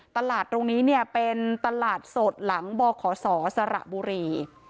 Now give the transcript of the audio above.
ตลาดตรงนี้เนี่ยเป็นตลาดสดหลังบขศสระบุรี